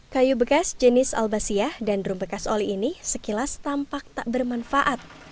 kayu bekas jenis albasia dan drum bekas oli ini sekilas tampak tak bermanfaat